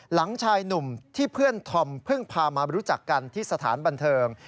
หลังชายหนุ่มที่เพื่อนธอมเพิ่งพามารู้จักกันที่สถานบันเทิง